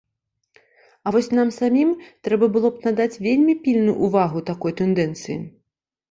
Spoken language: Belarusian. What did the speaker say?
А вось нам самім трэба было б надаць вельмі пільную ўвагу такой тэндэнцыі.